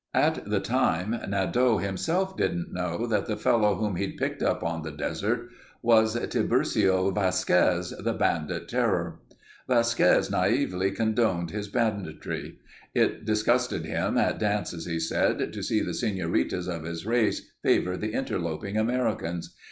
At the time, Nadeau himself didn't know that the fellow whom he'd picked up on the desert was Tiburcio Vasquez, the bandit terror. Vasquez naively condoned his banditry. It disgusted him at dances he said, to see the senoritas of his race favor the interloping Americans.